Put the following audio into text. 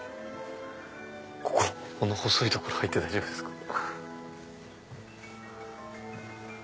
こここの細い所入って大丈夫ですか？